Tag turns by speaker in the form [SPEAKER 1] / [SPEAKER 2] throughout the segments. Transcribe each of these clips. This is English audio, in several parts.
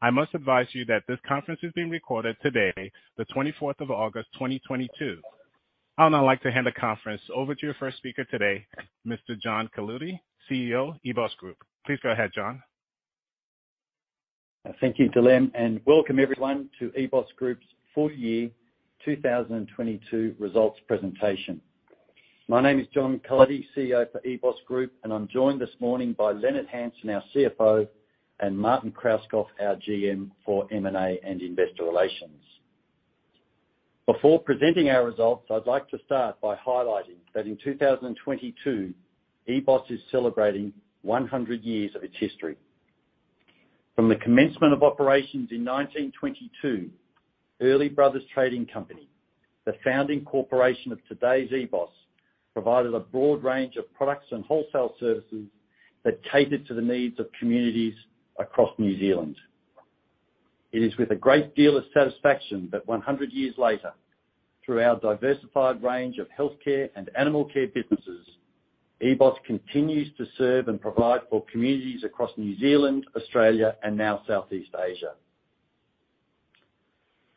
[SPEAKER 1] I must advise you that this conference is being recorded today, the twenty-fourth of August 2022. I would now like to hand the conference over to your first speaker today, Mr. John Cullity, CEO, EBOS Group. Please go ahead, John.
[SPEAKER 2] Thank you, Dilem, and welcome everyone to EBOS Group's full year 2022 results presentation. My name is John Cullity, CEO for EBOS Group, and I'm joined this morning by Leonard Hansen, our CFO, and Martin Krauskopf, our GM for M&A and investor relations. Before presenting our results, I'd like to start by highlighting that in 2022, EBOS is celebrating 100 years of its history. From the commencement of operations in 1922, Early Brothers Trading Co., the founding corporation of today's EBOS, provided a broad range of products and wholesale services that catered to the needs of communities across New Zealand. It is with a great deal of satisfaction that 100 years later, through our diversified range of healthcare and animal care businesses, EBOS continues to serve and provide for communities across New Zealand, Australia, and now Southeast Asia.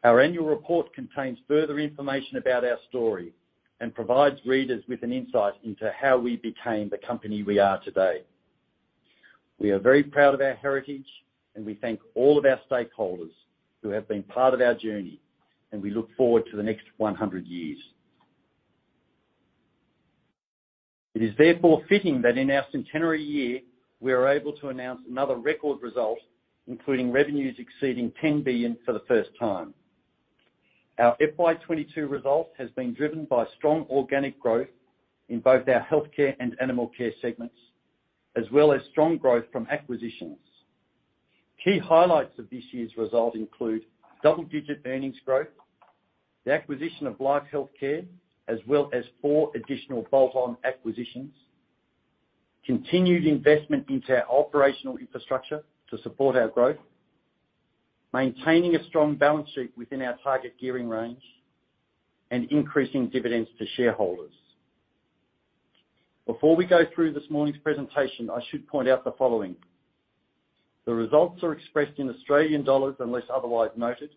[SPEAKER 2] Our annual report contains further information about our story and provides readers with an insight into how we became the company we are today. We are very proud of our heritage, and we thank all of our stakeholders who have been part of our journey, and we look forward to the next 100 years. It is therefore fitting that in our centenary year, we are able to announce another record result, including revenues exceeding 10 billion for the first time. Our FY 2022 results has been driven by strong organic growth in both our healthcare and animal care segments, as well as strong growth from acquisitions. Key highlights of this year's results include double-digit earnings growth, the acquisition of LifeHealthcare, as well as four additional bolt-on acquisitions, continued investment into our operational infrastructure to support our growth, maintaining a strong balance sheet within our target gearing range, and increasing dividends to shareholders. Before we go through this morning's presentation, I should point out the following. The results are expressed in Australian dollars, unless otherwise noted,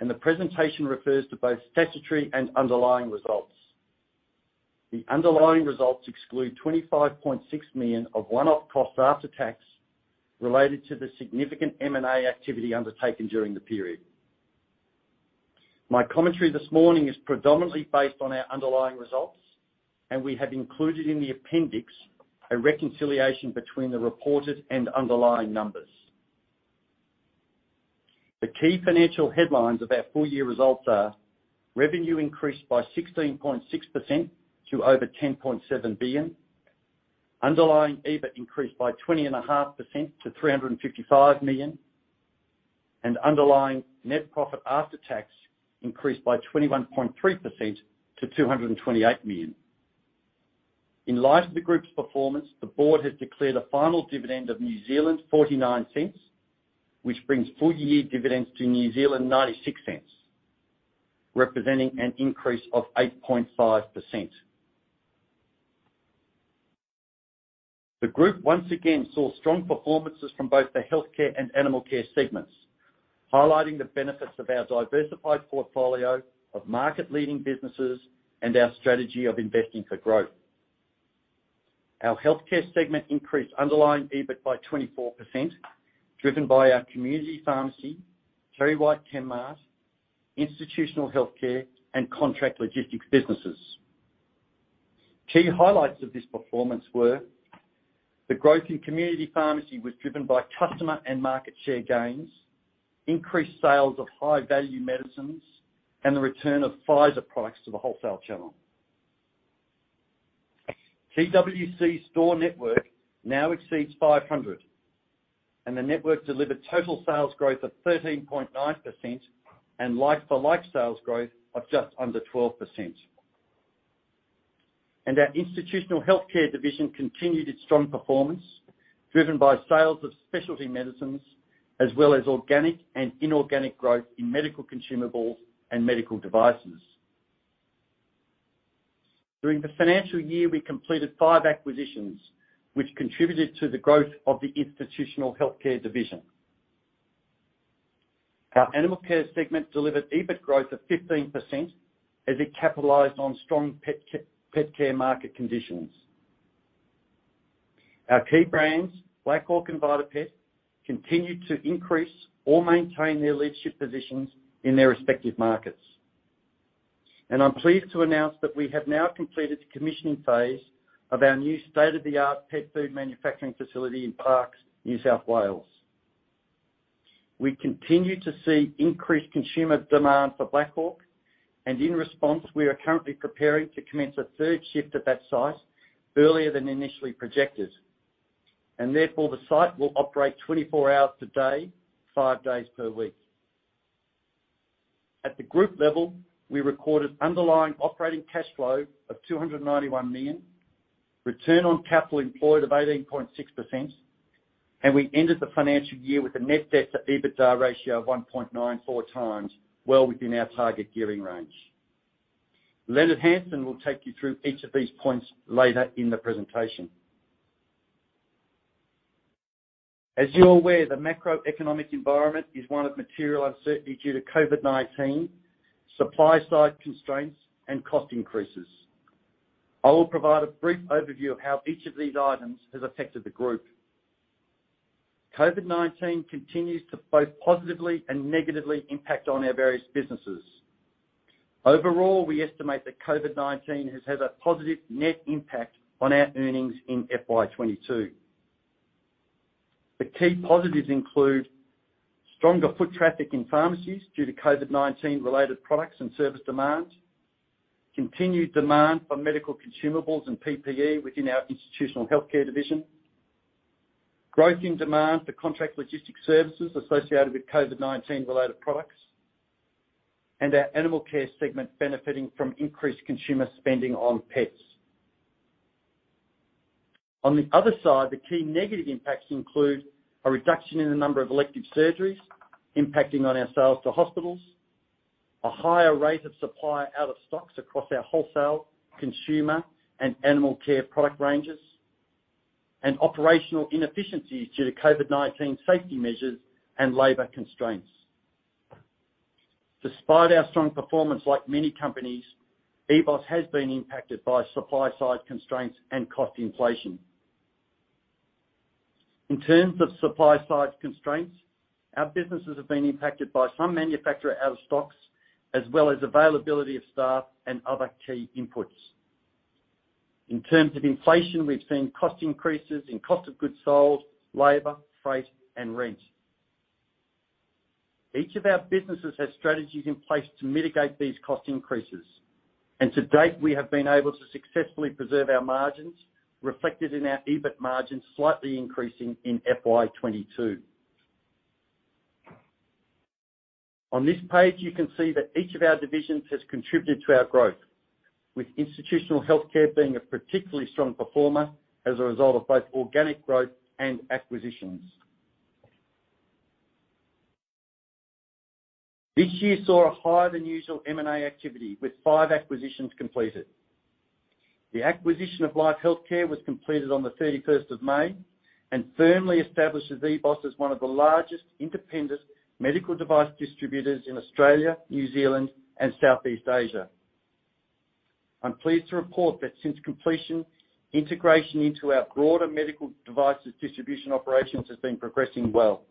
[SPEAKER 2] and the presentation refers to both statutory and underlying results. The underlying results exclude 25.6 million of one-off costs after tax related to the significant M&A activity undertaken during the period. My commentary this morning is predominantly based on our underlying results, and we have included in the appendix a reconciliation between the reported and underlying numbers. The key financial headlines of our full-year results are. Revenue increased by 16.6% to over 10.7 billion, underlying EBIT increased by 20.5% to 355 million, and underlying net profit after tax increased by 21.3% to 228 million. In light of the group's performance, the board has declared a final dividend of 0.49, which brings full-year dividends to 0.96, representing an increase of 8.5%. The group once again saw strong performances from both the healthcare and animal care segments, highlighting the benefits of our diversified portfolio of market-leading businesses and our strategy of investing for growth. Our healthcare segment increased underlying EBIT by 24%, driven by our community pharmacy, TerryWhite Chemmart, institutional healthcare, and contract logistics businesses. Key highlights of this performance were the growth in community pharmacy was driven by customer and market share gains, increased sales of high-value medicines, and the return of Pfizer products to the wholesale channel. TWC store network now exceeds 500, and the network delivered total sales growth of 13.9% and like-for-like sales growth of just under 12%. Our institutional healthcare division continued its strong performance driven by sales of specialty medicines as well as organic and inorganic growth in medical consumables and medical devices. During the financial year, we completed 5 acquisitions, which contributed to the growth of the institutional healthcare division. Our animal care segment delivered EBIT growth of 15% as it capitalized on strong pet care market conditions. Our key brands, Black Hawk and VitaPet, continued to increase or maintain their leadership positions in their respective markets. I'm pleased to announce that we have now completed the commissioning phase of our new state-of-the-art pet food manufacturing facility in Parkes, New South Wales. We continue to see increased consumer demand for Black Hawk, and in response, we are currently preparing to commence a third shift at that site earlier than initially projected. Therefore, the site will operate 24 hours a day, five days per week. At the group level, we recorded underlying operating cash flow of 291 million, return on capital employed of 18.6%, and we ended the financial year with a net debt to EBITDA ratio of 1.94x, well within our target gearing range. Leonard Hansen will take you through each of these points later in the presentation. As you're aware, the macroeconomic environment is one of material uncertainty due to COVID-19, supply side constraints, and cost increases. I will provide a brief overview of how each of these items has affected the group. COVID-19 continues to both positively and negatively impact on our various businesses. Overall, we estimate that COVID-19 has had a positive net impact on our earnings in FY 2022. The key positives include stronger foot traffic in pharmacies due to COVID-19 related products and service demand, continued demand for medical consumables and PPE within our institutional healthcare division, growth in demand for contract logistics services associated with COVID-19 related products, and our animal care segment benefiting from increased consumer spending on pets. On the other side, the key negative impacts include a reduction in the number of elective surgeries impacting on our sales to hospitals, a higher rate of supply out of stocks across our wholesale consumer and animal care product ranges, and operational inefficiencies due to COVID-19 safety measures and labor constraints. Despite our strong performance like many companies, EBOS has been impacted by supply side constraints and cost inflation. In terms of supply side constraints, our businesses have been impacted by some manufacturer out of stocks, as well as availability of staff and other key inputs. In terms of inflation, we've seen cost increases in cost of goods sold, labor, freight, and rent. Each of our businesses has strategies in place to mitigate these cost increases, and to date, we have been able to successfully preserve our margins reflected in our EBIT margin, slightly increasing in FY 2022. On this page, you can see that each of our divisions has contributed to our growth, with institutional healthcare being a particularly strong performer as a result of both organic growth and acquisitions. This year saw a higher than usual M&A activity with five acquisitions completed. The acquisition of LifeHealthcare was completed on the 31st of May and firmly establishes EBOS as one of the largest independent medical device distributors in Australia, New Zealand, and Southeast Asia. I'm pleased to report that since completion, integration into our broader medical devices distribution operations has been progressing well.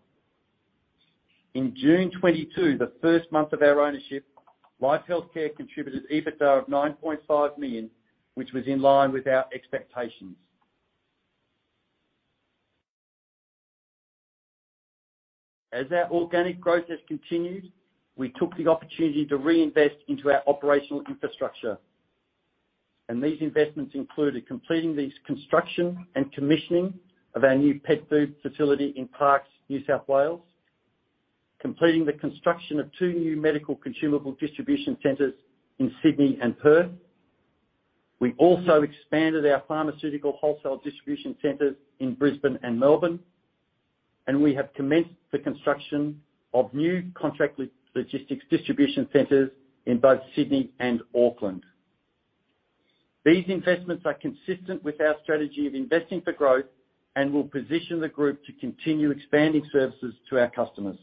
[SPEAKER 2] In June 2022, the first month of our ownership, LifeHealthcare contributed EBITDA of 9.5 million, which was in line with our expectations. As our organic growth has continued, we took the opportunity to reinvest into our operational infrastructure. These investments included completing the construction and commissioning of our new pet food facility in Parkes, New South Wales, completing the construction of two new medical consumable distribution centers in Sydney and Perth. We also expanded our pharmaceutical wholesale distribution centers in Brisbane and Melbourne, and we have commenced the construction of new contract logistics distribution centers in both Sydney and Auckland. These investments are consistent with our strategy of investing for growth and will position the group to continue expanding services to our customers.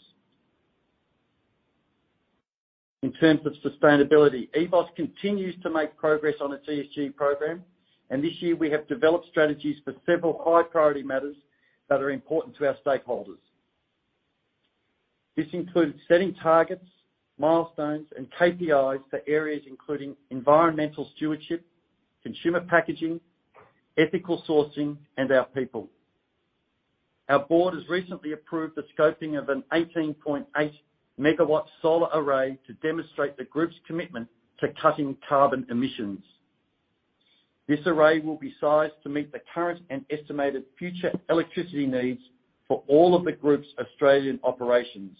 [SPEAKER 2] In terms of sustainability, EBOS continues to make progress on its ESG program, and this year we have developed strategies for several high priority matters that are important to our stakeholders. This includes setting targets, milestones, and KPIs for areas including environmental stewardship, consumer packaging, ethical sourcing, and our people. Our board has recently approved the scoping of an 18.8 MW solar array to demonstrate the group's commitment to cutting carbon emissions. This array will be sized to meet the current and estimated future electricity needs for all of the group's Australian operations.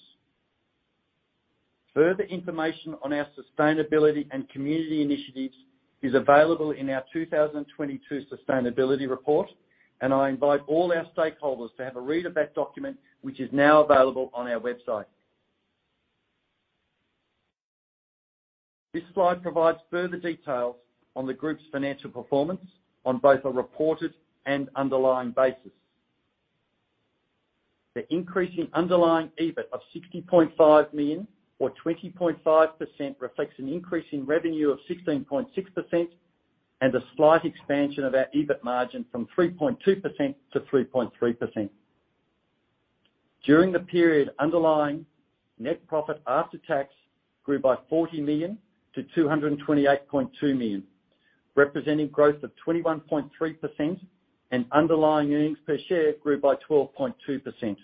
[SPEAKER 2] Further information on our sustainability and community initiatives is available in our 2022 sustainability report, and I invite all our stakeholders to have a read of that document, which is now available on our website. This slide provides further details on the group's financial performance on both a reported and underlying basis. The increase in underlying EBIT of 60.5 million or 20.5% reflects an increase in revenue of 16.6% and a slight expansion of our EBIT margin from 3.2%-3.3%. During the period, underlying net profit after tax grew by 40 million-228.2 million, representing growth of 21.3% and underlying earnings per share grew by 12.2%.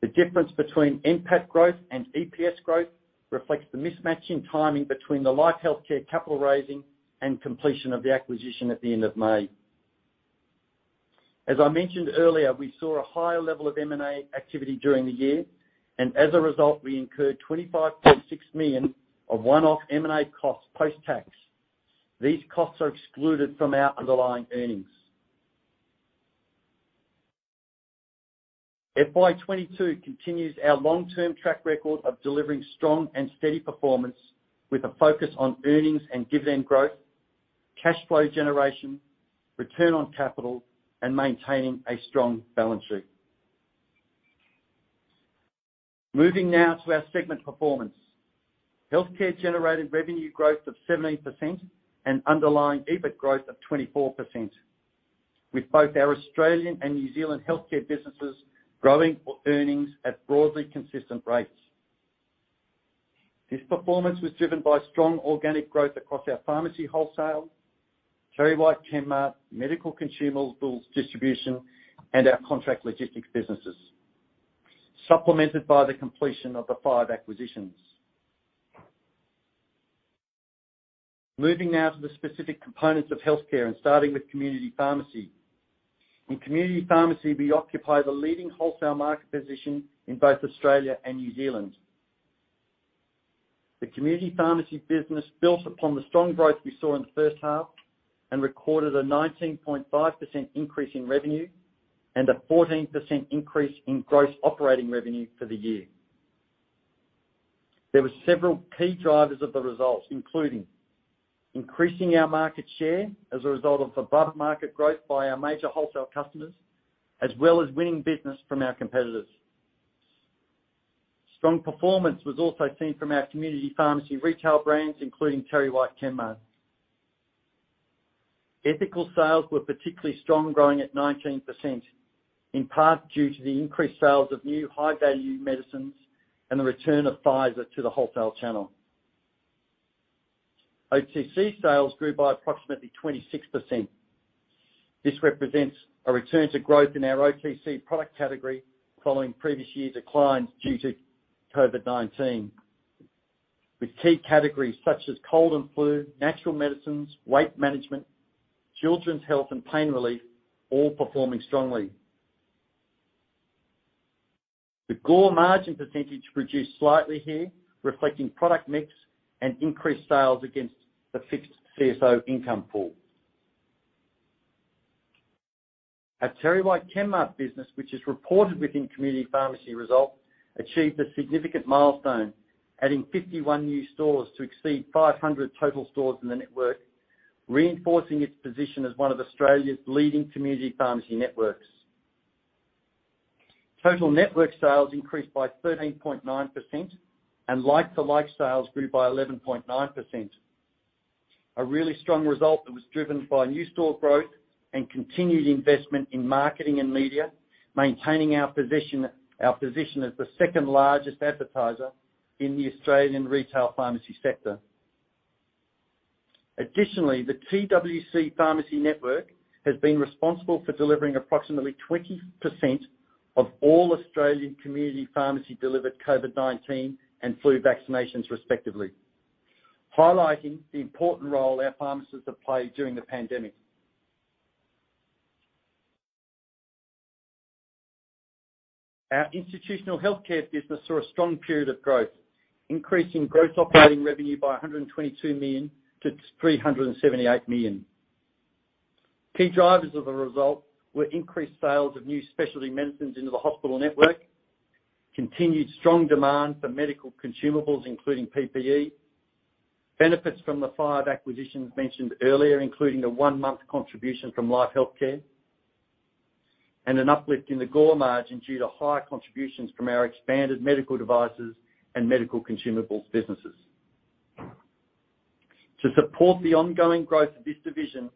[SPEAKER 2] The difference between NPAT growth and EPS growth reflects the mismatch in timing between the LifeHealthcare capital raising and completion of the acquisition at the end of May. As I mentioned earlier, we saw a higher level of M&A activity during the year, and as a result, we incurred 25.6 million of one-off M&A costs post-tax. These costs are excluded from our underlying earnings. FY 2022 continues our long-term track record of delivering strong and steady performance with a focus on earnings and dividend growth, cash flow generation, return on capital, and maintaining a strong balance sheet. Moving now to our segment performance. Healthcare generated revenue growth of 17% and underlying EBIT growth of 24%, with both our Australian and New Zealand healthcare businesses growing for earnings at broadly consistent rates. This performance was driven by strong organic growth across our pharmacy wholesale, TerryWhite Chemmart medical consumables distribution, and our contract logistics businesses, supplemented by the completion of the five acquisitions. Moving now to the specific components of healthcare and starting with community pharmacy. In community pharmacy, we occupy the leading wholesale market position in both Australia and New Zealand. The community pharmacy business built upon the strong growth we saw in the first half and recorded a 19.5% increase in revenue and a 14% increase in gross operating revenue for the year. There were several key drivers of the results, including increasing our market share as a result of above-market growth by our major wholesale customers, as well as winning business from our competitors. Strong performance was also seen from our community pharmacy retail brands, including TerryWhite Chemmart. Ethical sales were particularly strong, growing at 19%, in part due to the increased sales of new high-value medicines and the return of Pfizer to the wholesale channel. OTC sales grew by approximately 26%. This represents a return to growth in our OTC product category following previous year declines due to COVID-19, with key categories such as cold and flu, natural medicines, weight management, children's health, and pain relief all performing strongly. The GOR margin percentage reduced slightly here, reflecting product mix and increased sales against the fixed CSO income pool. Our TerryWhite Chemmart business, which is reported within community pharmacy results, achieved a significant milestone, adding 51 new stores to exceed 500 total stores in the network, reinforcing its position as one of Australia's leading community pharmacy networks. Total network sales increased by 13.9% and like-for-like sales grew by 11.9%. A really strong result that was driven by new store growth and continued investment in marketing and media, maintaining our position as the second-largest advertiser in the Australian retail pharmacy sector. Additionally, the TWC Pharmacy Network has been responsible for delivering approximately 20% of all Australian community pharmacy-delivered COVID-19 and flu vaccinations, respectively, highlighting the important role our pharmacists have played during the pandemic. Our institutional healthcare business saw a strong period of growth, increasing gross operating revenue by 122 million-378 million. Key drivers of the result were increased sales of new specialty medicines into the hospital network, continued strong demand for medical consumables, including PPE, benefits from the five acquisitions mentioned earlier, including the one-month contribution from LifeHealthcare, and an uplift in the GOR margin due to higher contributions from our expanded medical devices and medical consumables businesses. To support the ongoing growth of this division,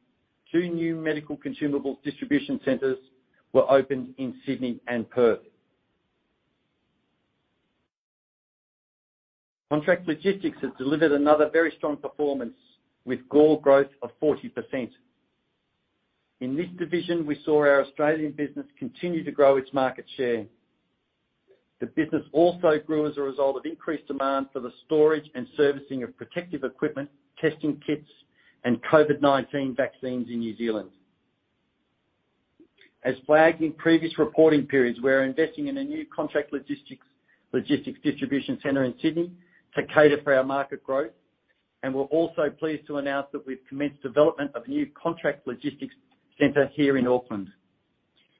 [SPEAKER 2] two new medical consumables distribution centers were opened in Sydney and Perth. Contract Logistics has delivered another very strong performance with GOR growth of 40%. In this division, we saw our Australian business continue to grow its market share. The business also grew as a result of increased demand for the storage and servicing of protective equipment, testing kits, and COVID-19 vaccines in New Zealand. As flagged in previous reporting periods, we're investing in a new contract logistics distribution center in Sydney to cater for our market growth, and we're also pleased to announce that we've commenced development of a new contract logistics center here in Auckland.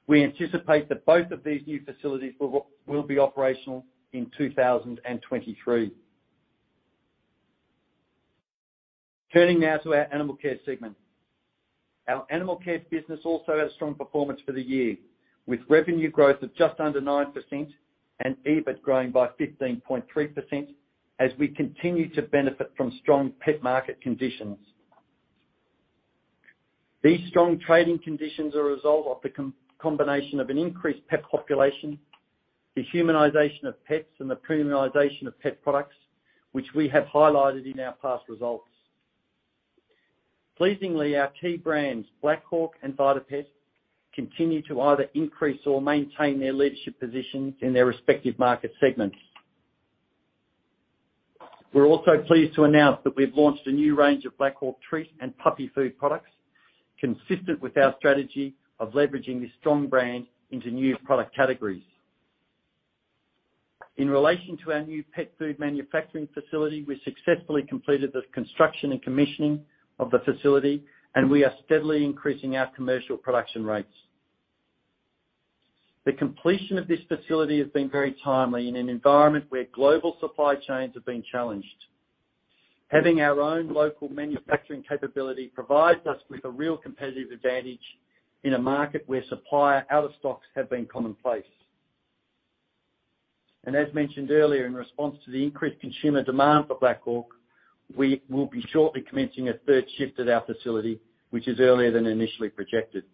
[SPEAKER 2] We anticipate that both of these new facilities will be operational in 2023. Turning now to our Animal Care segment. Our Animal Care business also had a strong performance for the year, with revenue growth of just under 9% and EBIT growing by 15.3% as we continue to benefit from strong pet market conditions. These strong trading conditions are a result of the combination of an increased pet population, the humanization of pets, and the premiumization of pet products, which we have highlighted in our past results. Pleasingly, our key brands, Black Hawk and VitaPet, continue to either increase or maintain their leadership position in their respective market segments. We're also pleased to announce that we've launched a new range of Black Hawk treat and puppy food products consistent with our strategy of leveraging this strong brand into new product categories. In relation to our new pet food manufacturing facility, we successfully completed the construction and commissioning of the facility, and we are steadily increasing our commercial production rates. The completion of this facility has been very timely in an environment where global supply chains have been challenged. Having our own local manufacturing capability provides us with a real competitive advantage in a market where supplier out of stocks have been commonplace. As mentioned earlier, in response to the increased consumer demand for Black Hawk, we will be shortly commencing a third shift at our facility, which is earlier than initially projected.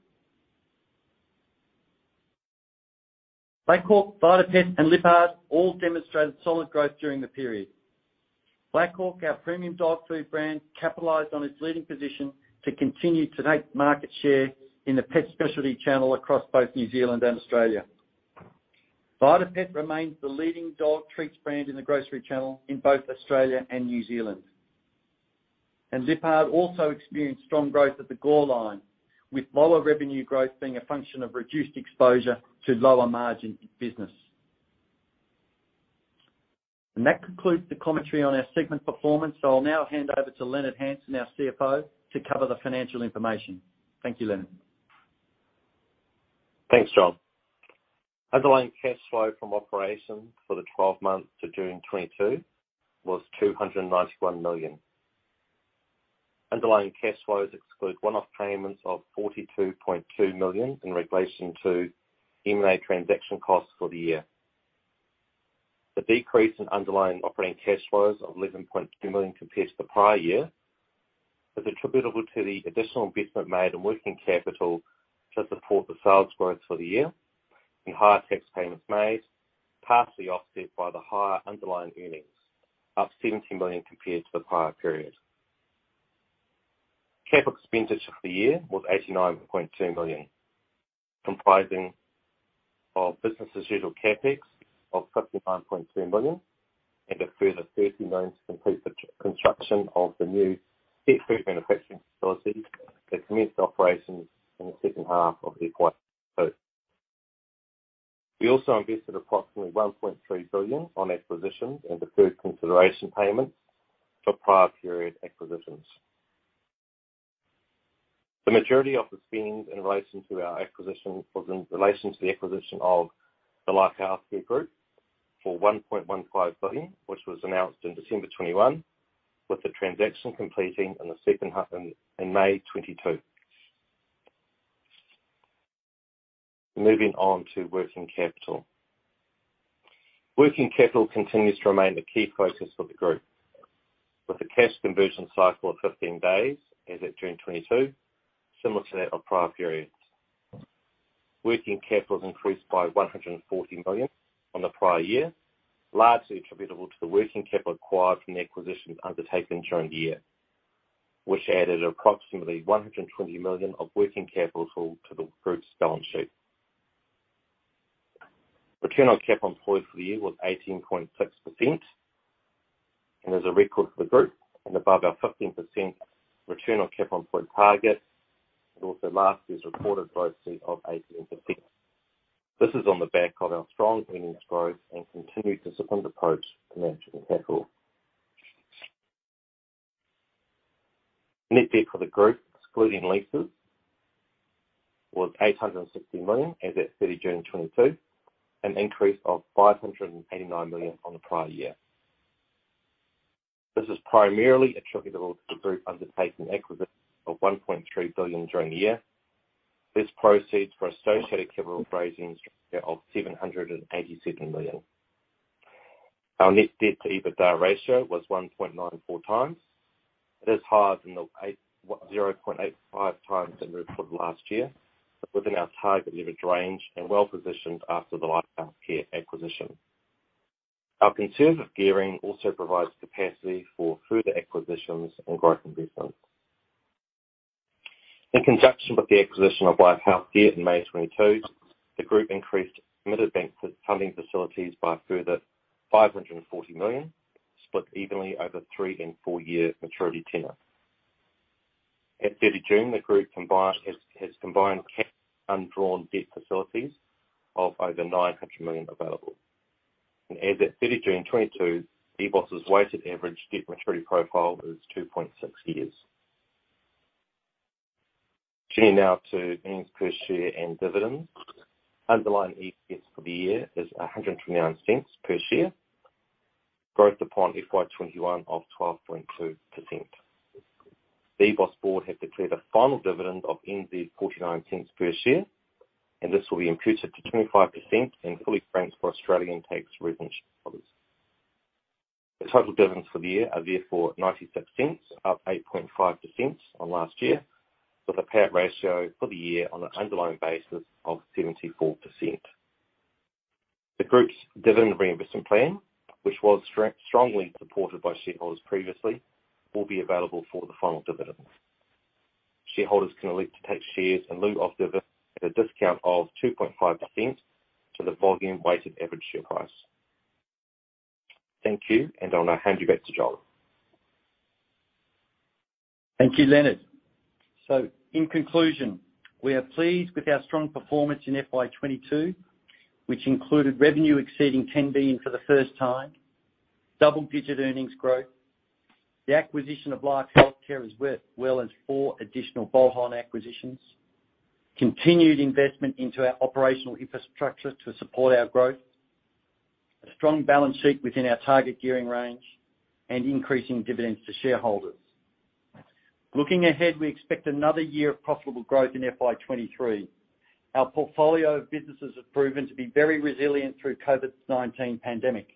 [SPEAKER 2] Black Hawk, VitaPet and Lyppard all demonstrated solid growth during the period. Black Hawk, our premium dog food brand, capitalized on its leading position to continue to take market share in the pet specialty channel across both New Zealand and Australia. VitaPet remains the leading dog treats brand in the grocery channel in both Australia and New Zealand. Lyppard also experienced strong growth at the core line, with lower revenue growth being a function of reduced exposure to lower margin business. That concludes the commentary on our segment performance. I'll now hand over to Leonard Hansen, our CFO, to cover the financial information. Thank you, Leonard.
[SPEAKER 3] Thanks, John. Underlying cash flow from operations for the twelve months to June 2022 was 291 million. Underlying cash flows exclude one-off payments of 42.2 million in relation to M&A transaction costs for the year. The decrease in underlying operating cash flows of 11.2 million compared to the prior year is attributable to the additional investment made in working capital to support the sales growth for the year and higher tax payments made, partially offset by the higher underlying earnings, up 70 million compared to the prior period. Capital expenditure for the year was 89.2 million, comprising of business as usual CapEx of 55.2 million and a further 30 million to complete the construction of the new pet food manufacturing facility that commenced operations in the second half of FY 2022. We also invested approximately 1.3 billion on acquisitions and deferred consideration payments for prior period acquisitions. The majority of the spend in relation to our acquisition was in relation to the acquisition of the LifeHealthcare Group for 1.15 billion, which was announced in December 2021, with the transaction completing in May 2022. Moving on to working capital. Working capital continues to remain a key focus for the group with a cash conversion cycle of 15 days as at June 2022, similar to that of prior periods. Working capital has increased by 140 million on the prior year, largely attributable to the working capital acquired from the acquisitions undertaken during the year, which added approximately 120 million of working capital to the group's balance sheet. Return on capital employed for the year was 18.6% and is a record for the group and above our 15% return on capital employed target and also last year's reported growth rate of 18%. This is on the back of our strong earnings growth and continued disciplined approach to managing capital. Net debt for the group, excluding leases, was NZD 860 million as at 30 June 2022, an increase of 589 million on the prior year. This is primarily attributable to the group undertaking acquisitions of 1.3 billion during the year less proceeds from associated capital raisings of 787 million. Our net debt-to-EBITDA ratio was 1.94x. It is higher than 0.85x that we reported last year, but within our target leverage range and well-positioned after the LifeHealthcare acquisition. Our conservative gearing also provides capacity for further acquisitions and growth investments. In conjunction with the acquisition of LifeHealthcare in May 2022, the group increased committed bank funding facilities by a further 540 million, split evenly over three and four-year maturity tenor. At 30 June, the group has combined undrawn debt facilities of over 900 million available. As at 30 June 2022, EBOS's weighted average debt maturity profile is 2.6 years. Turning now to earnings per share and dividends. Underlying EPS for the year is 129 cents per share, growth upon FY 2021 of 12.2%. The EBOS board have declared a final dividend of 0.49 per share, and this will be imputed to 25% and fully franked for Australian tax resident shareholders. The total dividends for the year are therefore 0.96, up 8.5% on last year, with a payout ratio for the year on an underlying basis of 74%. The group's dividend reinvestment plan, which was strongly supported by shareholders previously, will be available for the final dividend. Shareholders can elect to take shares in lieu of dividends at a discount of 2.5% to the volume-weighted average share price. Thank you, and I'll now hand you back to John.
[SPEAKER 2] Thank you, Leonard. In conclusion, we are pleased with our strong performance in FY 2022, which included revenue exceeding 10 billion for the first time, double-digit earnings growth. The acquisition of LifeHealthcare as well as four additional bolt-on acquisitions. Continued investment into our operational infrastructure to support our growth. A strong balance sheet within our target gearing range, and increasing dividends to shareholders. Looking ahead, we expect another year of profitable growth in FY 2023. Our portfolio of businesses have proven to be very resilient through COVID-19 pandemic.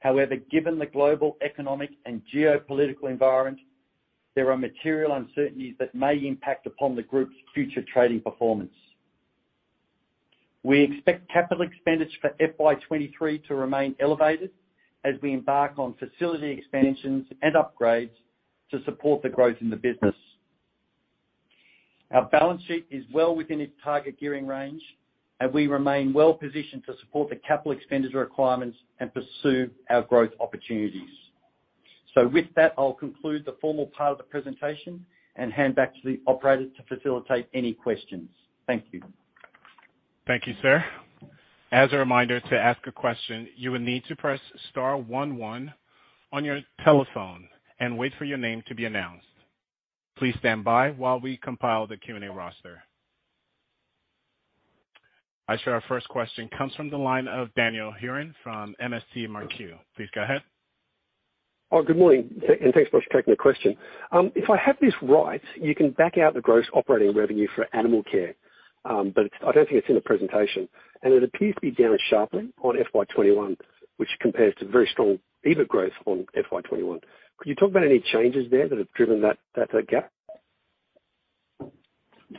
[SPEAKER 2] However, given the global economic and geopolitical environment, there are material uncertainties that may impact upon the group's future trading performance. We expect capital expenditures for FY 2023 to remain elevated as we embark on facility expansions and upgrades to support the growth in the business. Our balance sheet is well within its target gearing range, and we remain well positioned to support the capital expenditure requirements and pursue our growth opportunities. With that, I'll conclude the formal part of the presentation and hand back to the operator to facilitate any questions. Thank you.
[SPEAKER 1] Thank you, sir. As a reminder to ask a question, you will need to press star one one on your telephone and wait for your name to be announced. Please stand by while we compile the Q&A roster. I show our first question comes from the line of Daniel Hurren from MST Marquee. Please go ahead.
[SPEAKER 4] Oh, good morning, and thanks very much for taking the question. If I have this right, you can back out the gross operating revenue for animal care. I don't think it's in the presentation, and it appears to be down sharply on FY 2021, which compares to very strong EBIT growth on FY 2021. Could you talk about any changes there that have driven that gap?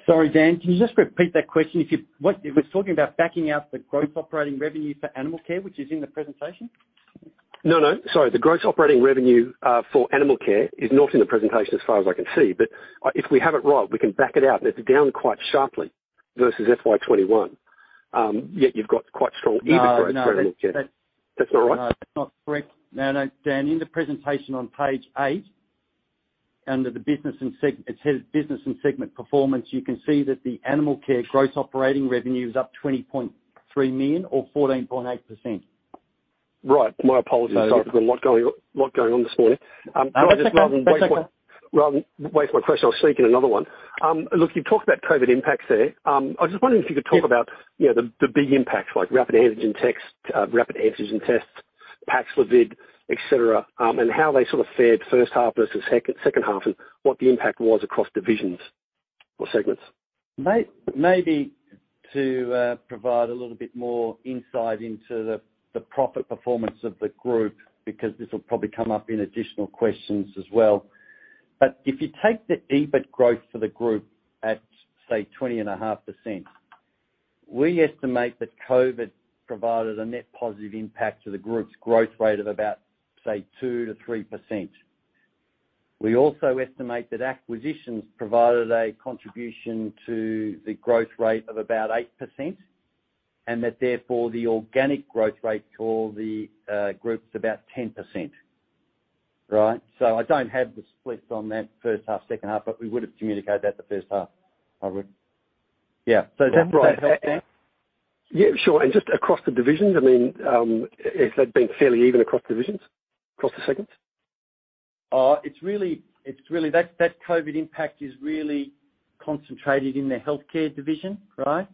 [SPEAKER 2] Sorry, Dan, can you just repeat that question? What, you were talking about backing out the gross operating revenue for animal care, which is in the presentation.
[SPEAKER 4] No, no. Sorry. The gross operating revenue for animal care is not in the presentation as far as I can see, but if we have it right, we can back it out, and it's down quite sharply versus FY 2021. Yet you've got quite strong EBIT growth for animal care.
[SPEAKER 2] No, no.
[SPEAKER 4] That's not right?
[SPEAKER 2] No, that's not correct. No, no, Dan, in the presentation on page eight, under the business and segment performance. It's headed business and segment performance. You can see that the animal care gross operating revenue is up 20.3 million or 14.8%.
[SPEAKER 4] Right. My apologies.
[SPEAKER 2] Sorry.
[SPEAKER 4] I've got a lot going on this morning.
[SPEAKER 2] No, that's okay. That's okay.
[SPEAKER 4] I'll just rather than waste my question, I'll sneak in another one. Look, you've talked about COVID impacts there. I was just wondering if you could talk about, you know, the big impacts like rapid antigen tests, Paxlovid, et cetera, and how they sort of fared first half versus second half and what the impact was across divisions or segments.
[SPEAKER 2] Maybe to provide a little bit more insight into the profit performance of the group, because this will probably come up in additional questions as well. If you take the EBIT growth for the group at, say, 20.5%, we estimate that COVID provided a net positive impact to the group's growth rate of about, say, 2%-3%. We also estimate that acquisitions provided a contribution to the growth rate of about 8%, and that therefore the organic growth rate for the group is about 10%. Right? I don't have the splits on that first half, second half, but we would have communicated that the first half. I would. Yeah. Does that help, Dan?
[SPEAKER 4] Yeah, sure. Just across the divisions, I mean, if they've been fairly even across divisions, across the segments.
[SPEAKER 2] That COVID impact is really concentrated in the healthcare division, right?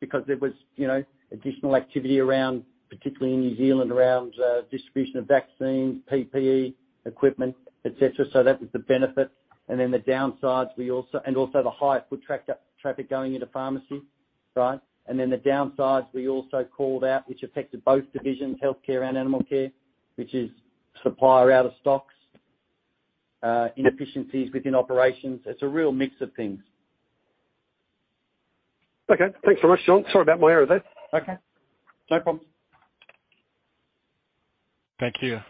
[SPEAKER 2] Because there was, you know, additional activity around, particularly in New Zealand, around distribution of vaccines, PPE equipment, et cetera. So that was the benefit. Also the higher foot traffic going into pharmacy, right? The downsides we also called out, which affected both divisions, healthcare and animal care, which is supplier out of stocks, inefficiencies within operations. It's a real mix of things.
[SPEAKER 4] Okay. Thanks very much, John. Sorry about my error there.
[SPEAKER 2] Okay. No problem.
[SPEAKER 1] Thank you.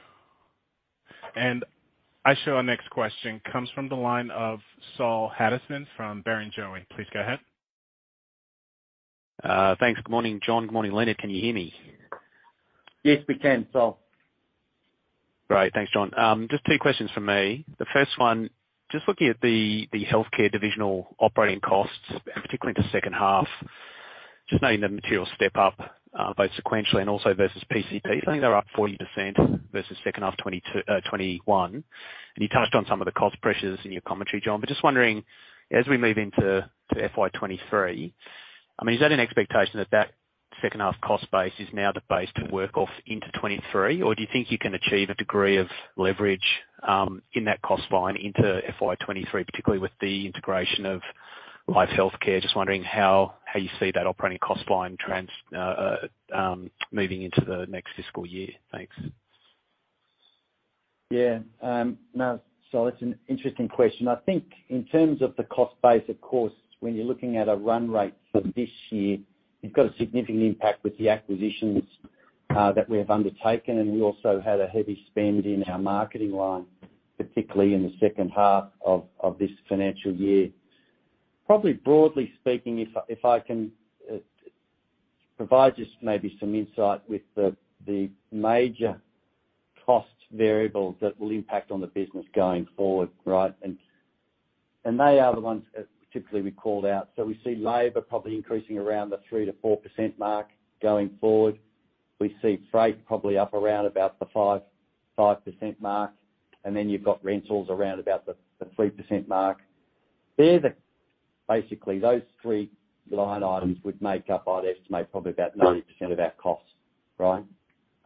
[SPEAKER 1] I show our next question comes from the line of Saul Hadassin from Barrenjoey. Please go ahead.
[SPEAKER 5] Thanks. Good morning, John. Good morning, Leonard. Can you hear me?
[SPEAKER 2] Yes, we can, Saul.
[SPEAKER 5] Great. Thanks, John. Just two questions from me. The first one, just looking at the healthcare divisional operating costs, particularly in the second half, just noting the material step up both sequentially and also versus PCP. I think they're up 40% versus second half 2021. You touched on some of the cost pressures in your commentary, John. Just wondering, as we move into FY 2023, I mean, is that an expectation that that second half cost base is now the base to work off into 2023? Or do you think you can achieve a degree of leverage in that cost line into FY 2023, particularly with the integration of LifeHealthcare? Just wondering how you see that operating cost line moving into the next fiscal year. Thanks.
[SPEAKER 2] Yeah. No. It's an interesting question. I think in terms of the cost base, of course, when you're looking at a run rate for this year, you've got a significant impact with the acquisitions that we have undertaken, and we also had a heavy spend in our marketing line, particularly in the second half of this financial year. Probably broadly speaking, if I can provide us maybe some insight with the major cost variables that will impact on the business going forward, right? They are the ones that typically we called out. We see labor probably increasing around the 3%-4% mark going forward. We see freight probably up around about the 5% mark, and then you've got rentals around about the 3% mark. Basically, those three line items would make up, I'd estimate, probably about 90% of our costs, right?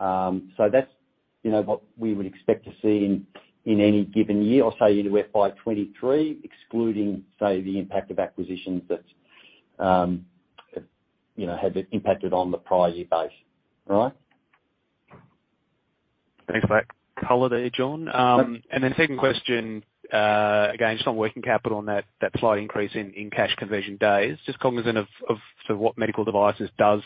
[SPEAKER 2] So that's, you know, what we would expect to see in any given year, or say into FY 2023, excluding, say, the impact of acquisitions that, you know, have been impacted on the prior year base. All right?
[SPEAKER 5] Thanks for that color there, John. Second question, again, just on working capital and that slight increase in cash conversion days, just cognizant of sort of what medical devices does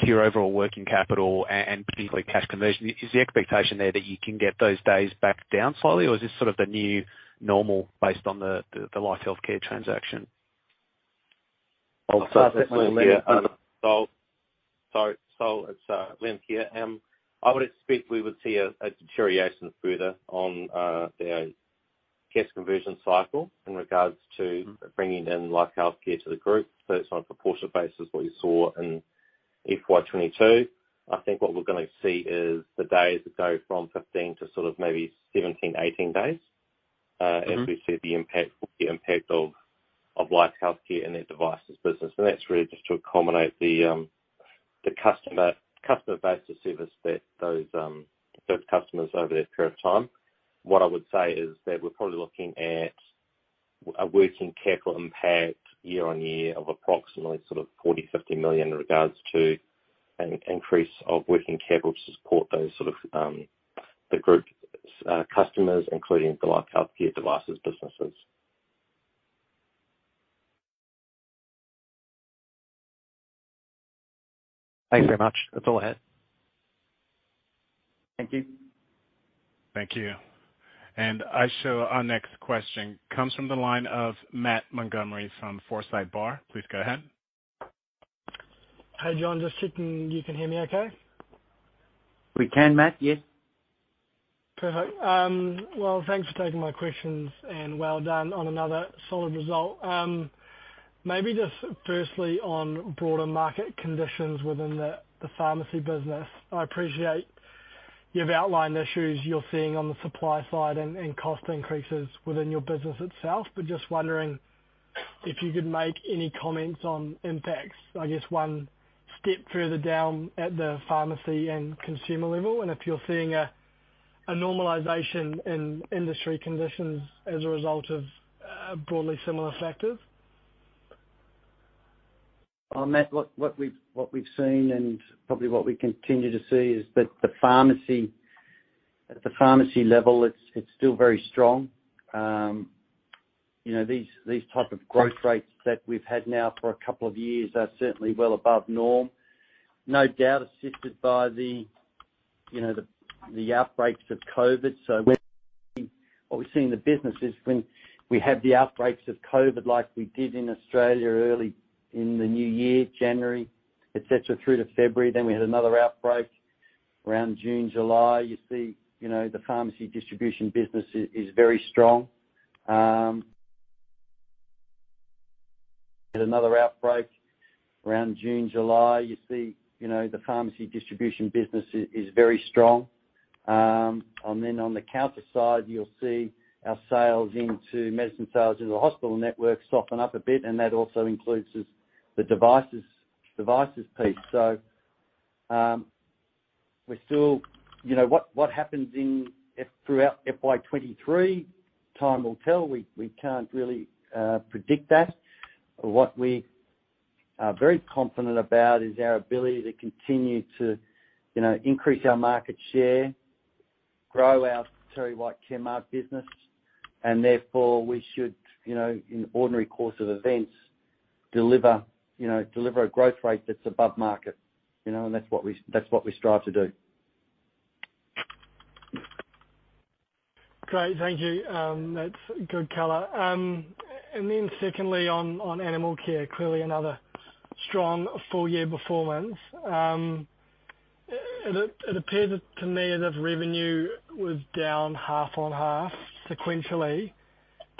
[SPEAKER 5] to your overall working capital and particularly cash conversion. Is the expectation there that you can get those days back down slowly? Or is this sort of the new normal based on the LifeHealthcare transaction?
[SPEAKER 2] I'll start that one, Leonard.
[SPEAKER 3] Sorry. It's Len here. I would expect we would see a deterioration further on our cash conversion cycle in regards to bringing in LifeHealthcare to the group. It's on a proportionate basis, what you saw in FY 2022. I think what we're gonna see is the days go from 15 to sort of maybe 17, 18 days, as we see the impact of LifeHealthcare and their devices business. That's really just to accommodate the customer base to service those customers over that period of time. What I would say is that we're probably looking at a working capital impact year-over-year of approximately sort of 40 million-50 million in regards to an increase of working capital to support those sort of the group's customers, including the LifeHealthcare devices businesses.
[SPEAKER 5] Thanks very much. That's all I had.
[SPEAKER 3] Thank you.
[SPEAKER 1] Thank you. I show our next question comes from the line of Matt Montgomerie from Forsyth Barr. Please go ahead.
[SPEAKER 6] Hey, John, just checking you can hear me okay.
[SPEAKER 2] We can, Matt. Yes.
[SPEAKER 6] Perfect. Well, thanks for taking my questions, and well done on another solid result. Maybe just firstly on broader market conditions within the pharmacy business. I appreciate you've outlined the issues you're seeing on the supply side and cost increases within your business itself, but just wondering if you could make any comments on impacts, I guess, one step further down at the pharmacy and consumer level, and if you're seeing a normalization in industry conditions as a result of broadly similar factors?
[SPEAKER 2] Matt, what we've seen and probably what we continue to see is that the pharmacy, at the pharmacy level, it's still very strong. You know, these type of growth rates that we've had now for a couple of years are certainly well above norm, no doubt assisted by the, you know, the outbreaks of COVID. What we've seen in the business is when we have the outbreaks of COVID, like we did in Australia early in the new year, January, et cetera, through to February, then we had another outbreak around June, July. You see, you know, the pharmacy distribution business is very strong. Another outbreak around June, July, you see, you know, the pharmacy distribution business is very strong. On the other side, you'll see our sales into med and sales into the hospital network soften up a bit, and that also includes the devices piece. You know what happens throughout FY 2023, time will tell. We can't really predict that. What we are very confident about is our ability to continue to, you know, increase our market share, grow our TerryWhite Chemmart business, and therefore we should, you know, in ordinary course of events, deliver a growth rate that's above market. You know, that's what we strive to do.
[SPEAKER 6] Great. Thank you. That's good color. Secondly on animal care, clearly another strong full year performance. It appears to me as if revenue was down half on half sequentially.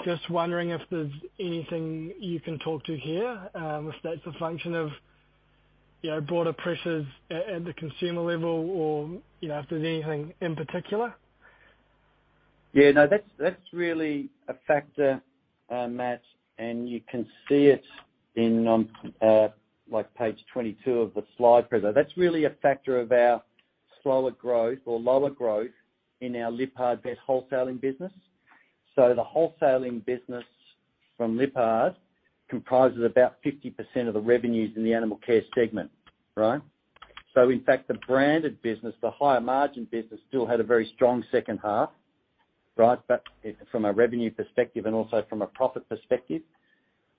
[SPEAKER 6] Just wondering if there's anything you can talk to here, if that's a function of, you know, broader pressures at the consumer level or, you know, if there's anything in particular.
[SPEAKER 2] Yeah. No, that's really a factor, Matt, and you can see it in, like page 22 of the slide presentation. That's really a factor of our slower growth or lower growth in our Lyppard vet wholesaling business. The wholesaling business from Lyppard comprises about 50% of the revenues in the animal care segment, right? In fact, the branded business, the higher margin business, still had a very strong second half, right? From a revenue perspective and also from a profit perspective,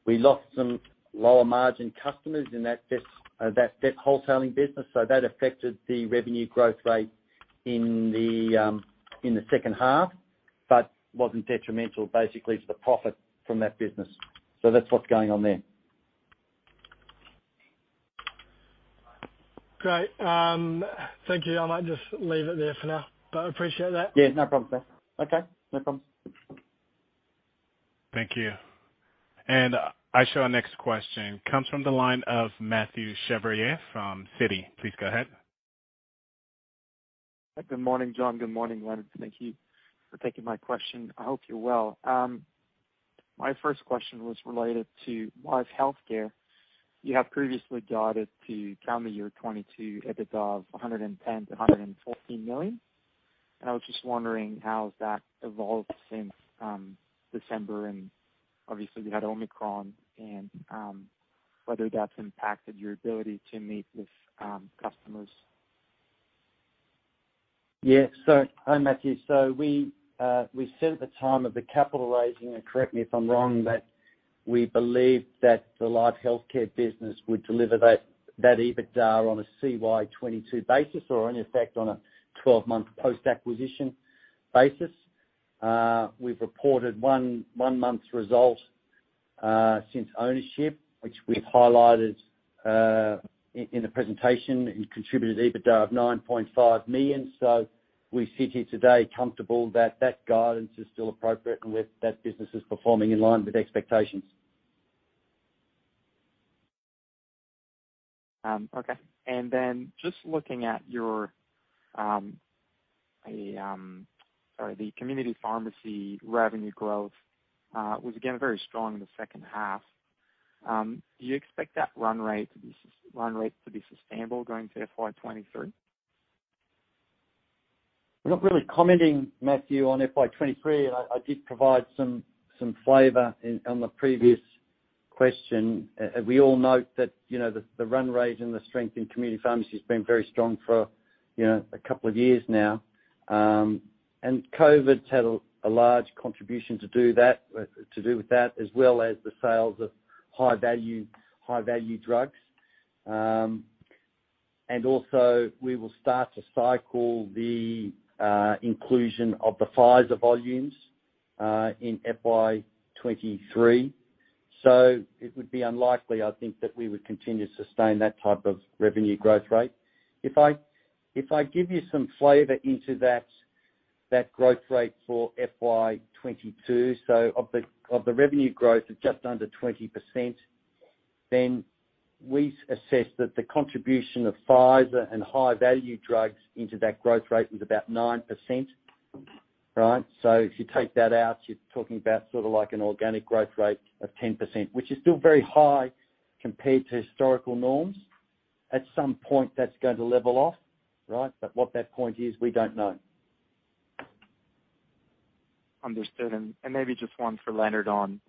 [SPEAKER 2] we lost some lower margin customers in that vet wholesaling business, so that affected the revenue growth rate in the second half, but wasn't detrimental basically to the profit from that business. That's what's going on there.
[SPEAKER 6] Great. Thank you. I might just leave it there for now, but I appreciate that.
[SPEAKER 2] Yeah, no problem, Sam. Okay. No problem.
[SPEAKER 1] Thank you. Our next question comes from the line of Mathieu Chevrier from Citi. Please go ahead.
[SPEAKER 7] Good morning, John. Good morning, Leonard. Thank you for taking my question. I hope you're well. My first question was related to LifeHealthcare. You have previously guided to calendar year 2022 EBITDA of 110-114 million. I was just wondering how has that evolved since December, and obviously you had Omicron and whether that's impacted your ability to meet with customers.
[SPEAKER 2] Hi, Mathieu. We said at the time of the capital raising, and correct me if I'm wrong, that we believed that the LifeHealthcare business would deliver that EBITDA on a CY 2022 basis or in effect on a twelve-month post-acquisition basis. We've reported one month's result since ownership, which we've highlighted in the presentation. It contributed EBITDA of 9.5 million. We sit here today comfortable that that guidance is still appropriate and that business is performing in line with expectations.
[SPEAKER 7] Just looking at your, the community pharmacy revenue growth was again very strong in the second half. Do you expect that run rate to be sustainable going to FY 2023?
[SPEAKER 2] We're not really commenting, Mathieu, on FY 2023, and I did provide some flavor in on the previous question. We all note that, you know, the run rate and the strength in community pharmacy has been very strong for, you know, a couple of years now. COVID's had a large contribution to do with that, as well as the sales of high value drugs. Also we will start to cycle the inclusion of the Pfizer volumes in FY 2023. It would be unlikely, I think, that we would continue to sustain that type of revenue growth rate. If I give you some flavor into that growth rate for FY 2022, of the revenue growth of just under 20%, then we assess that the contribution of Pfizer and high value drugs into that growth rate was about 9%. Right? If you take that out, you're talking about sort of like an organic growth rate of 10%, which is still very high compared to historical norms. At some point, that's going to level off, right? What that point is, we don't know.
[SPEAKER 7] Understood. Maybe just one for Leonard on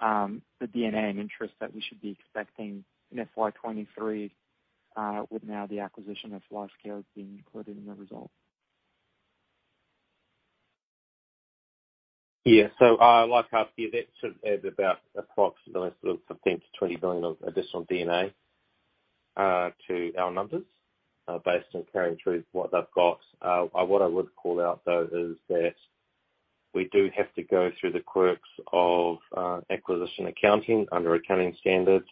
[SPEAKER 7] the D&A and interest that we should be expecting in FY 2023, with now the acquisition of LifeHealthcare being included in the result.
[SPEAKER 3] Yeah. LifeHealthcare, that should add about approximately sort of 15 billion-20 billion of additional D&A to our numbers, based on carrying through what they've got. What I would call out though is that we do have to go through the quirks of acquisition accounting under accounting standards.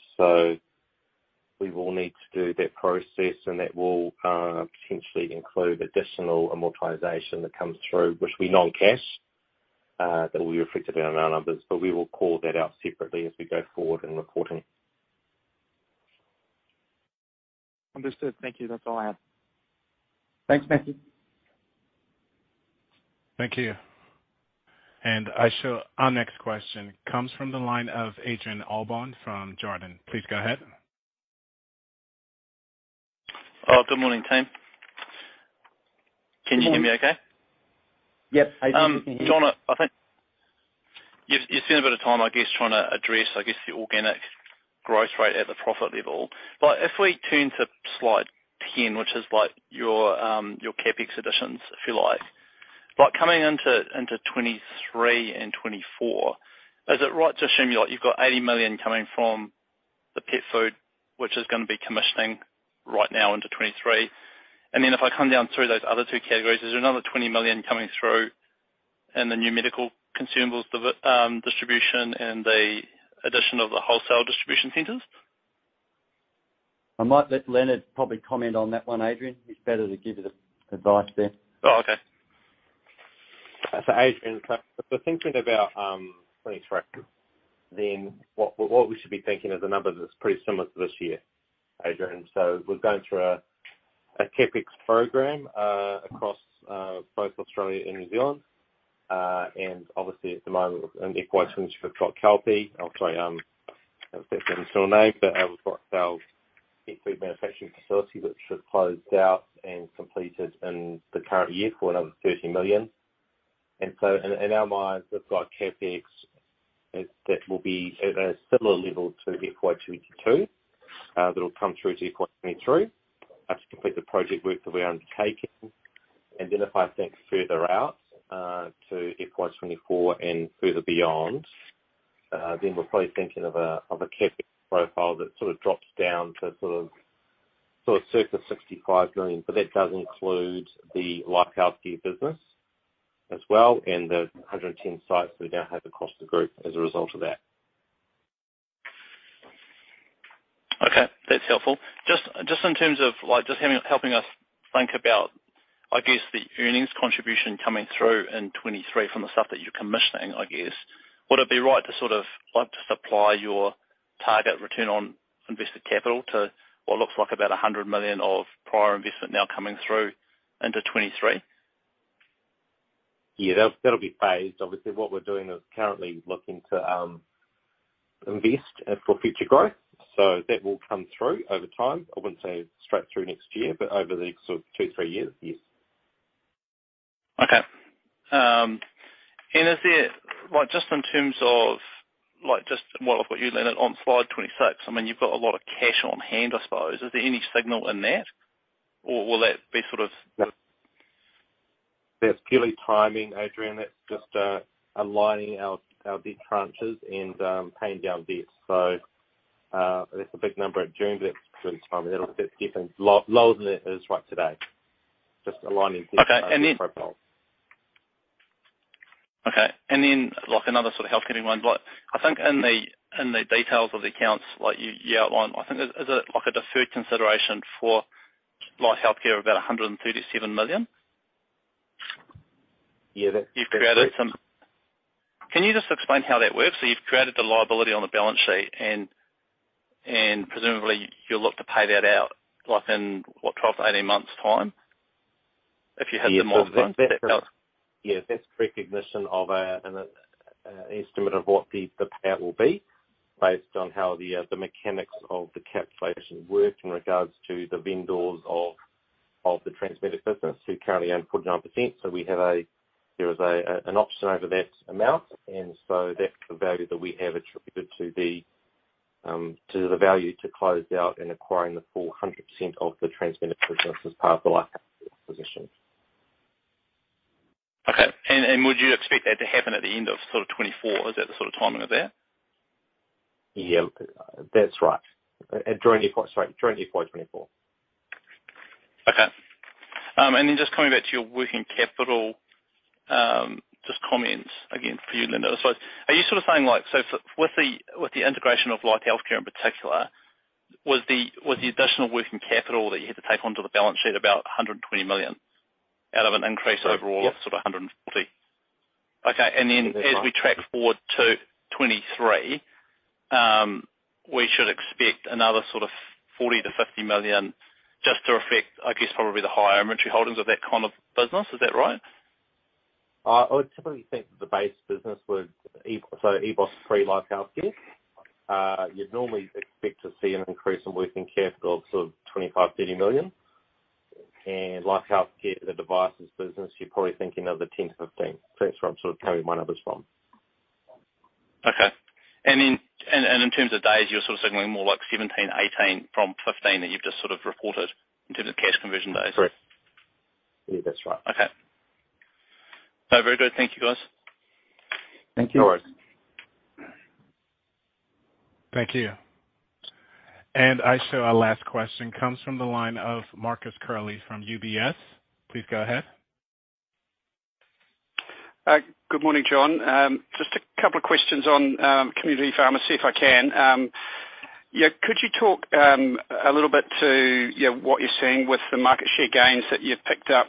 [SPEAKER 3] We will need to do that process, and that will potentially include additional amortization that comes through, which will be non-cash, that will be reflected in our numbers. We will call that out separately as we go forward in reporting.
[SPEAKER 7] Understood. Thank you. That's all I have.
[SPEAKER 2] Thanks, Mathieu.
[SPEAKER 1] Thank you. I show our next question comes from the line of Adrian Allbon from Jarden. Please go ahead.
[SPEAKER 8] Oh, good morning, team. Can you hear me okay?
[SPEAKER 2] Yep. I can hear you.
[SPEAKER 8] John, I think you've spent a bit of time, I guess, trying to address, I guess, the organic growth rate at the profit level. If we turn to slide 10, which is like your CapEx additions, if you like. Coming into 2023 and 2024, is it right to assume you've got 80 million coming from the pet food, which is gonna be commissioning right now into 2023? Then if I come down through those other two categories, there's another 20 million coming through in the new medical consumables distribution and the addition of the wholesale distribution centers.
[SPEAKER 2] I might let Leonard probably comment on that one, Adrian. He's better to give you the advice there.
[SPEAKER 8] Oh, okay.
[SPEAKER 3] Adrian, if we're thinking about 2023, then what we should be thinking is a number that's pretty similar to this year, Adrian. We're going through a CapEx program across both Australia and New Zealand. And obviously at the moment in FY 2022, we've got Kelpie. Obviously, I forget the official name, but we've got our pet food manufacturing facility which should close out and completed in the current year for another 30 million. In our minds, we've got CapEx that will be at a similar level to FY 2022 that will come through to FY 2023. That should complete the project work that we are undertaking. If I think further out to FY 2024 and further beyond, then we're probably thinking of a CapEx profile that sort of drops down to, so it's circa 65 million, but that does include the LifeHealthcare business as well, and the 110 sites we now have across the group as a result of that.
[SPEAKER 8] Okay, that's helpful. Just in terms of, like, just helping us think about, I guess, the earnings contribution coming through in 2023 from the stuff that you're commissioning, I guess. Would it be right to sort of like apply your target return on invested capital to what looks like about 100 million of prior investment now coming through into 2023?
[SPEAKER 3] Yeah, that'll be phased. Obviously, what we're doing is currently looking to invest for future growth. That will come through over time. I wouldn't say straight through next year, but over the sort of 2-3 years, yes.
[SPEAKER 8] Okay. Is there like, just in terms of, like, just what I've got you, Leonard, on slide 26, I mean, you've got a lot of cash on hand, I suppose. Is there any signal in that? Or will that be sort of
[SPEAKER 3] That's purely timing, Adrian. That's just aligning our debt tranches and paying down debt. That's a big number at June, but it's really timing. It'll keep getting lower than it is right today. Just aligning debt.
[SPEAKER 8] Okay.
[SPEAKER 3] profile.
[SPEAKER 8] Okay. Like, another sort of healthcare-related one. I think in the details of the accounts, like you outline, I think, is it like a deferred consideration for LifeHealthcare of about 137 million?
[SPEAKER 3] Yeah, that's.
[SPEAKER 8] You've created some. Can you just explain how that works? You've created the liability on the balance sheet and, presumably you'll look to pay that out, like, in what, 12-18 months time? If you have the mind to.
[SPEAKER 3] Yeah, that's recognition of an estimate of what the payout will be based on how the mechanics of the calculation work in regards to the vendors of the Transmedic business who currently own 49%. There is an option over that amount. That's the value that we have attributed to the value to close out in acquiring the full 100% of the Transmedic business as part of the LifeHealthcare position.
[SPEAKER 8] Okay. Would you expect that to happen at the end of sort of 2024? Is that the sort of timing of that?
[SPEAKER 3] Yeah, that's right. Sorry, during FY 2024.
[SPEAKER 8] Okay. Just coming back to your working capital, just comments again for you, Leonard. Are you sort of saying like, with the integration of LifeHealthcare in particular, was the additional working capital that you had to take onto the balance sheet about 120 million out of an increase overall of sort of 140?
[SPEAKER 3] Yes.
[SPEAKER 8] Okay.
[SPEAKER 3] That's right.
[SPEAKER 8] As we track forward to 2023, we should expect another sort of 40 million-50 million just to reflect, I guess, probably the higher inventory holdings of that kind of business. Is that right?
[SPEAKER 3] I would typically think the base business would, so EBOS pre-LifeHealthcare, you'd normally expect to see an increase in working capital of sort of 25-30 million. LifeHealthcare, the devices business, you're probably thinking another 10-15 million. That's where I'm sort of coming my numbers from.
[SPEAKER 8] Okay. In terms of days, you're sort of signaling more like 17, 18 from 15 that you've just sort of reported in terms of cash conversion days.
[SPEAKER 3] Correct. Yeah, that's right.
[SPEAKER 8] Okay. Very good. Thank you, guys.
[SPEAKER 3] Thank you.
[SPEAKER 2] No worries.
[SPEAKER 1] Thank you. I show our last question comes from the line of Marcus Curley from UBS. Please go ahead.
[SPEAKER 9] Good morning, John. Just a couple of questions on community pharmacy, if I can. Yeah, could you talk a little bit to what you're seeing with the market share gains that you've picked up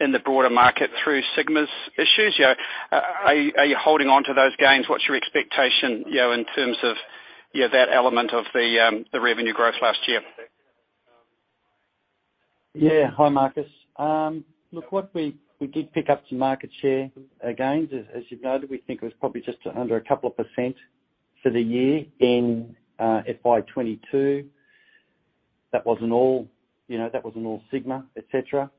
[SPEAKER 9] in the broader market through Sigma's issues, you know? Are you holding on to those gains? What's your expectation, you know, in terms of that element of the revenue growth last year?
[SPEAKER 2] Yeah. Hi, Marcus. Look what we did pick up some market share gains, as you noted. We think it was probably just under a couple of percent for the year in FY 2022. That wasn't all, you know, that wasn't all Sigma, et cetera.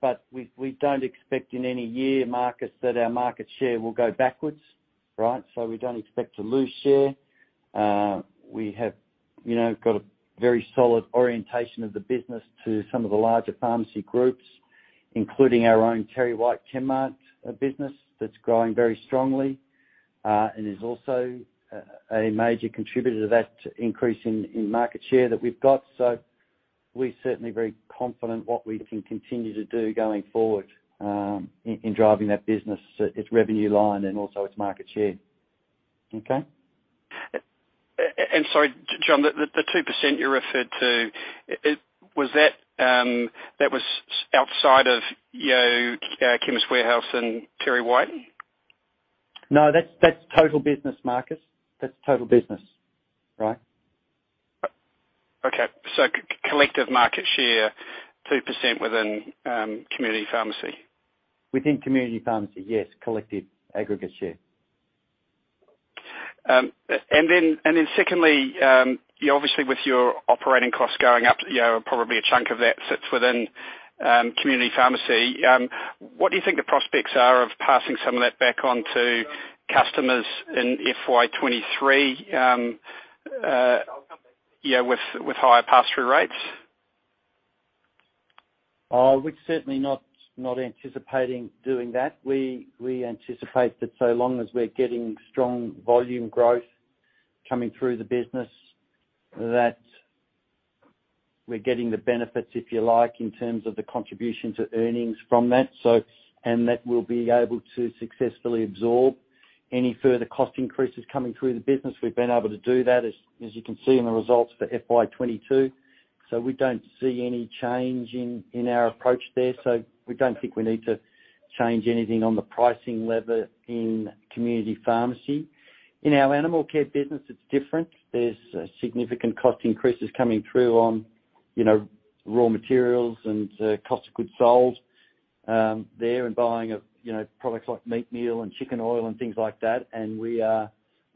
[SPEAKER 2] But we don't expect in any year, Marcus, that our market share will go backwards, right? We don't expect to lose share. We have, you know, got a very solid orientation of the business to some of the larger pharmacy groups, including our own TerryWhite Chemmart business that's growing very strongly, and is also a major contributor to that increase in market share that we've got. We're certainly very confident what we can continue to do going forward, in driving that business, its revenue line and also its market share. Okay?
[SPEAKER 9] Sorry, John, the 2% you referred to, was that outside of, you know, Chemist Warehouse and TerryWhite Chemmart?
[SPEAKER 2] No, that's total business, Marcus. That's total business. Right.
[SPEAKER 9] Okay. Collective market share 2% within community pharmacy.
[SPEAKER 2] Within community pharmacy, yes, collective aggregate share.
[SPEAKER 9] Secondly, you know, obviously with your operating costs going up, you know, probably a chunk of that sits within community pharmacy. What do you think the prospects are of passing some of that back on to customers in FY 2023, you know, with higher pass-through rates?
[SPEAKER 2] We're certainly not anticipating doing that. We anticipate that so long as we're getting strong volume growth coming through the business, that we're getting the benefits, if you like, in terms of the contribution to earnings from that. We'll be able to successfully absorb any further cost increases coming through the business. We've been able to do that, as you can see in the results for FY 2022. We don't see any change in our approach there. We don't think we need to change anything on the pricing lever in community pharmacy. In our animal care business, it's different. There's significant cost increases coming through on, you know, raw materials and cost of goods sold, there, and buying of, you know, products like meat meal and chicken oil and things like that.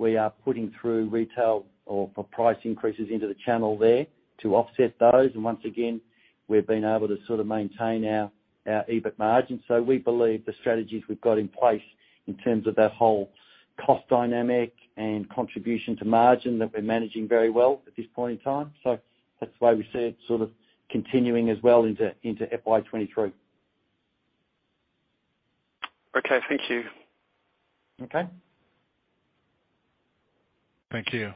[SPEAKER 2] We are putting through retail floor price increases into the channel there to offset those. Once again, we've been able to sort of maintain our EBIT margin. We believe the strategies we've got in place in terms of that whole cost dynamic and contribution to margin, that we're managing very well at this point in time. That's why we see it sort of continuing as well into FY 2023.
[SPEAKER 10] Okay, thank you.
[SPEAKER 2] Okay.
[SPEAKER 1] Thank you.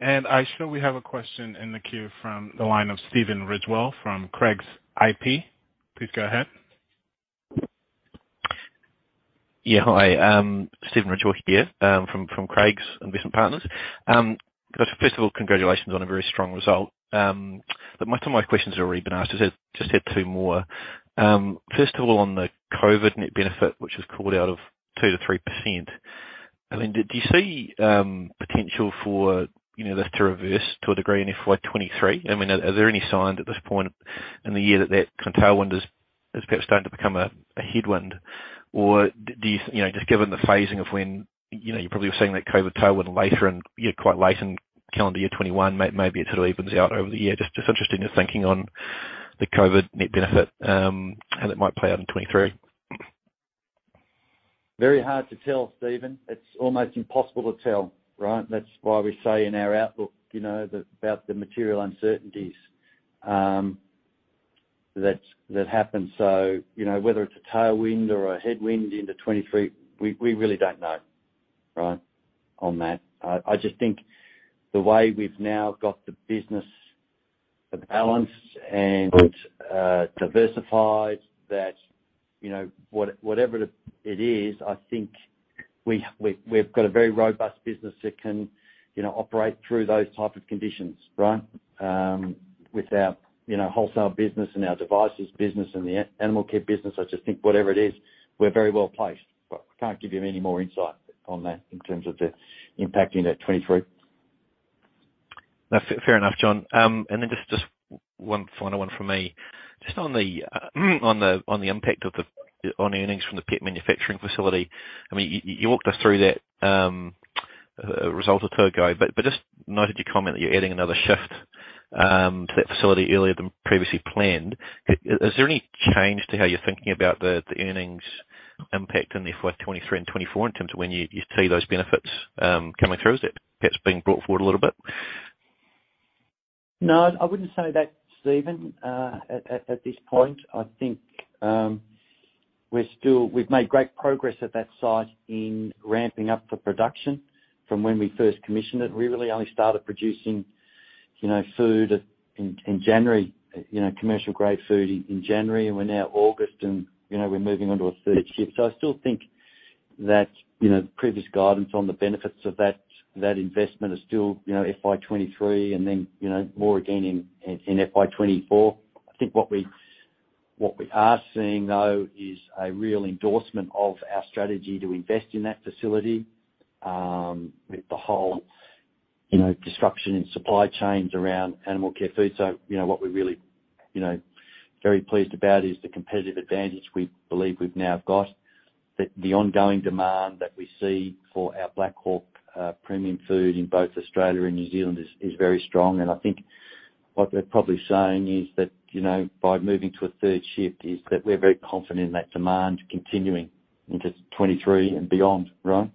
[SPEAKER 1] I show we have a question in the queue from the line of Stephen Ridgewell from Craigs Investment Partners. Please go ahead.
[SPEAKER 10] Hi, Stephen Ridgewell here, from Craigs Investment Partners. First of all, congratulations on a very strong result. But most of my questions have already been asked. Just have two more. First of all, on the COVID net benefit, which is called out at 2%-3%. I mean, do you see potential for, you know, this to reverse to a degree in FY 2023? I mean, are there any signs at this point in the year that that kind of tailwind is perhaps starting to become a headwind? Or do you. You know, just given the phasing of when, you know, you're probably seeing that COVID tailwind later and, yeah, quite late in calendar year 2021, maybe it sort of evens out over the year. Just interested in your thinking on the COVID net benefit, how that might play out in 2023?
[SPEAKER 2] Very hard to tell, Stephen. It's almost impossible to tell, right? That's why we say in our outlook, you know, about the material uncertainties that happen. You know, whether it's a tailwind or a headwind into 2023, we really don't know, right? On that. I just think the way we've now got the business balanced and diversified, that, you know, whatever it is, I think we've got a very robust business that can, you know, operate through those type of conditions, right? With our, you know, wholesale business and our devices business and the animal care business, I just think whatever it is, we're very well placed. I can't give you any more insight on that in terms of the impact in that 2023.
[SPEAKER 10] That's fair enough, John. Just one final one from me. Just on the impact on earnings from the pet manufacturing facility. I mean, you walked us through that result a third ago, but just noted your comment that you're adding another shift to that facility earlier than previously planned. Is there any change to how you're thinking about the earnings impact in the FY 2023 and 2024 in terms of when you see those benefits coming through? Is it perhaps being brought forward a little bit?
[SPEAKER 2] No, I wouldn't say that, Stephen. At this point, I think we're still. We've made great progress at that site in ramping up for production from when we first commissioned it. We really only started producing, you know, food in January, you know, commercial grade food in January, and we're now August and, you know, we're moving on to a third shift. I still think that, you know, previous guidance on the benefits of that investment are still, you know, FY 2023 and then, you know, more again in FY 2024. I think what we are seeing, though, is a real endorsement of our strategy to invest in that facility with the whole, you know, disruption in supply chains around animal care food. You know, what we're really, you know, very pleased about is the competitive advantage we believe we've now got. The ongoing demand that we see for our Black Hawk premium food in both Australia and New Zealand is very strong. I think what they're probably saying is that, you know, by moving to a third shift is that we're very confident in that demand continuing into 2023 and beyond, right?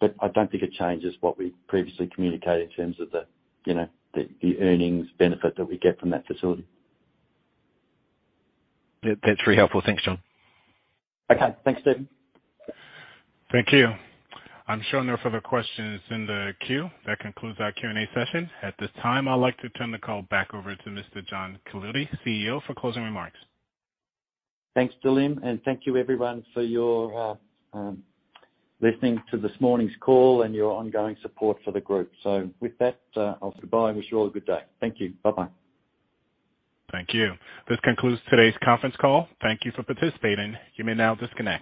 [SPEAKER 2] But I don't think it changes what we previously communicated in terms of the, you know, the earnings benefit that we get from that facility.
[SPEAKER 10] That's very helpful. Thanks, John.
[SPEAKER 2] Okay. Thanks, Stephen.
[SPEAKER 1] Thank you. I'm showing no further questions in the queue. That concludes our Q&A session. At this time, I'd like to turn the call back over to Mr. John Cullity, CEO, for closing remarks.
[SPEAKER 2] Thanks, Dilem, and thank you everyone for your listening to this morning's call and your ongoing support for the group. With that, I'll say bye and wish you all a good day. Thank you. Bye-bye.
[SPEAKER 1] Thank you. This concludes today's conference call. Thank you for participating. You may now disconnect.